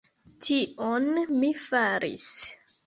Tion mi faris.